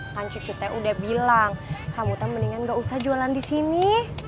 kan cucu teh udah bilang kamu kan mendingan gak usah jualan disini